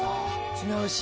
違うし。